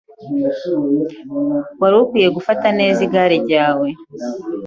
Wari ukwiye gufata neza igare ryawe.